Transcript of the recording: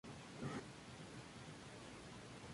Stephanie puede cantar cinco octavas.